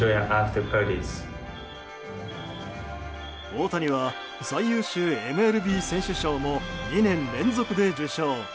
大谷は、最優秀ＭＬＢ選手賞も２年連続で受賞。